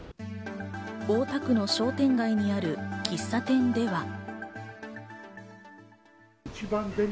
大田区の商店街にある喫茶店では。